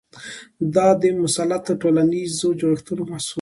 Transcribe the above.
دا د مسلطو ټولنیزو جوړښتونو محصول دی.